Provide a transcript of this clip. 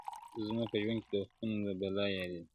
زما په ژوند کي د وختونو د بلا ياري ده,